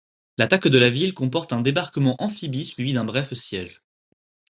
L'attaque de la ville comporte un débarquement amphibie suivi d'un bref siège.